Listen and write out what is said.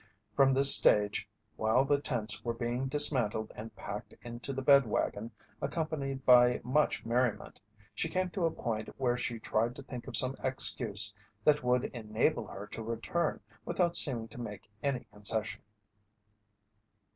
From this stage, while the tents were being dismantled and packed into the bed wagon accompanied by much merriment, she came to a point where she tried to think of some excuse that would enable her to return without seeming to make any concession.